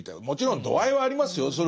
もちろん度合いはありますよ。